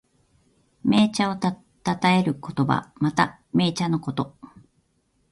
銘茶をたたえる言葉。また、銘茶のこと。